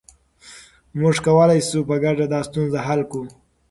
موږ کولای شو په ګډه دا ستونزه حل کړو.